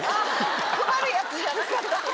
配るやつじゃなかったんだ。